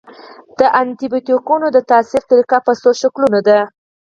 د انټي بیوټیکونو د تاثیر طریقه په څو شکلونو ده.